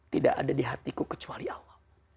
tidak ada di hatiku kecuali allah